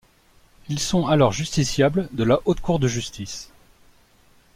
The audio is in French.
Ils sont alors justiciables de la Haute Cour de justice.